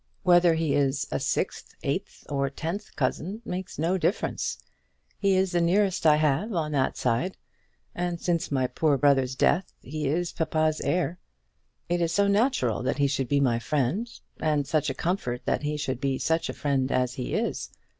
Whether he is a sixth, eighth, or tenth cousin makes no difference. He is the nearest I have on that side; and since my poor brother's death he is papa's heir. It is so natural that he should be my friend; and such a comfort that he should be such a friend as he is!